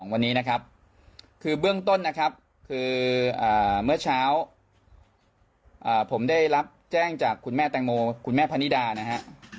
วันนี้นะครับคือเบื้องต้นนะครับคือเมื่อเช้าผมได้รับแจ้งจากคุณแม่แตงโมคุณแม่พนิดานะฮะ